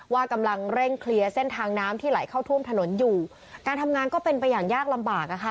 กำลังเร่งเคลียร์เส้นทางน้ำที่ไหลเข้าท่วมถนนอยู่การทำงานก็เป็นไปอย่างยากลำบากอ่ะค่ะ